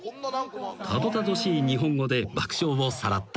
［たどたどしい日本語で爆笑をさらった］